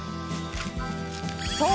そう！